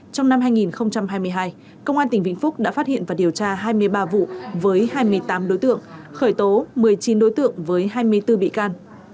trong năm hai nghìn hai mươi hai công an tỉnh vĩnh phúc đã phát hiện và điều tra hai mươi ba vụ với hai mươi tám đối tượng khởi tố một mươi chín đối tượng với hai mươi bốn bị can